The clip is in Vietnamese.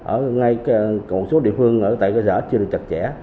ở ngay cộng số địa phương ở tại cơ giở chưa được chặt chẽ